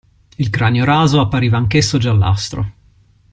Il cranio raso appariva anch'esso giallastro.